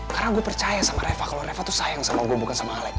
karena gue percaya sama reva kalau reva tuh sayang sama gue bukan sama alex